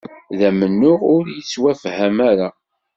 D amennuɣ ur yettwafham ara